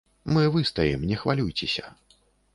Мы выстаім, не хвалюйцеся.